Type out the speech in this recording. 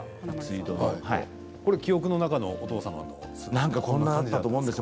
記憶の中のお父様のスーツですか。